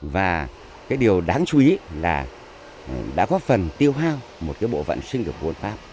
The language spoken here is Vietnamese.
và cái điều đáng chú ý là đã góp phần tiêu hao một cái bộ vận sinh của quân pháp